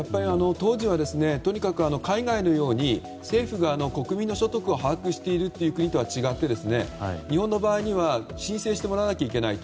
当時はとにかく海外のように政府が国民の所得を把握しているという国とは違って日本の場合申請してもらわなきゃいけない。